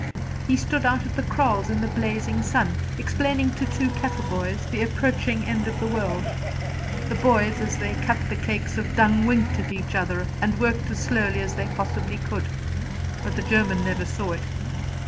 He stood out at the kraals in the blazing sun, explaining to two Kaffer boys the approaching end of the world. The boys, as they cut the cakes of dung, winked at each other, and worked as slowly as they possibly could; but the German never saw it.